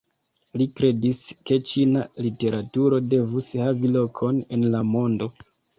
Li kredis ke ĉina literaturo devus havi lokon en la mondo.